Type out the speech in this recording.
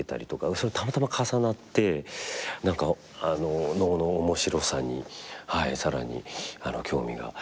それたまたま重なって何か能の面白さに更に興味が深くなっているとこですねはい。